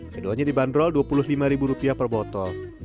keduanya dibanderol dua puluh lima rupiah per botol